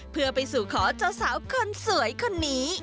เพื่อไปสู่ขอเจ้าสาวคนสวยคนนี้